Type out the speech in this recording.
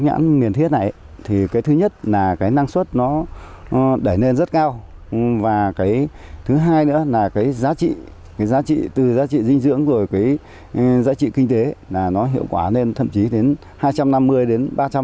cây nhãn miền thiết này thì cái thứ nhất là cái năng suất nó đẩy lên rất cao và cái thứ hai nữa là cái giá trị cái giá trị từ giá trị dinh dưỡng rồi cái giá trị kinh tế là nó hiệu quả lên thậm chí đến hai trăm năm mươi đến ba trăm linh